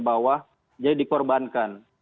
bawah jadi dikorbankan